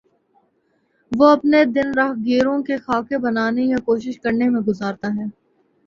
وہ اپنے دن راہگیروں کے خاکے بنانے یا کوشش کرنے میں گزارتا ہے